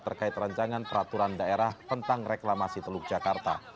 terkait rancangan peraturan daerah tentang reklamasi teluk jakarta